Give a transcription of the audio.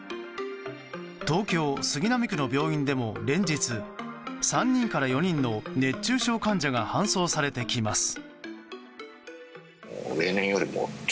東京・杉並区の病院でも連日３人から４人の熱中症患者が搬送されてきます。